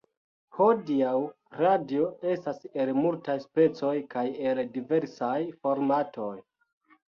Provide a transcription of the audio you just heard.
Hodiaŭ, radio estas el multaj specoj, kaj el diversaj formatoj.